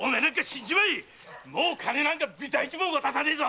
〔もう金なんかびた一文渡さねえぞ！